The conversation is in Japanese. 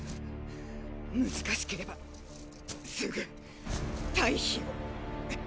難しければすぐ退避を！